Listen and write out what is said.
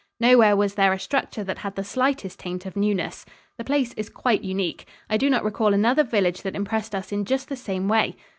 Nowhere was there a structure that had the slightest taint of newness. The place is quite unique. I do not recall another village that impressed us in just the same way.